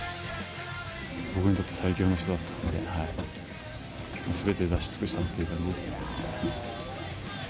僕にとって最強の人だったんで、すべて出し尽くしたって感じですね。